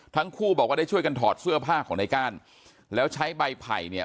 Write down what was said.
ทั้งคู่บอกว่าได้ช่วยกันถอดเสื้อผ้าของในก้านแล้วใช้ใบไผ่เนี่ย